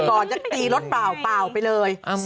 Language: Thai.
ก่อนจะตีรถเปล่าเปล่าไปเลย